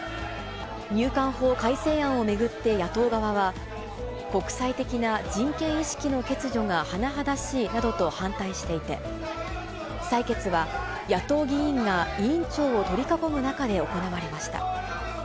入管法改正案を巡って、野党側は、国際的な人権意識の欠如が甚だしいなどと反対していて、採決は野党議員が委員長を取り囲む中で行われました。